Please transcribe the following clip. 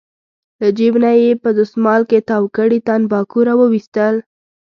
له جېب نه یې په دستمال کې تاو کړي تنباکو راوویستل.